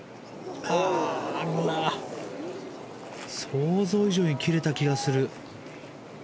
想像以上に切れた気がする。